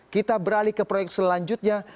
kita beralih ke proyek selanjutnya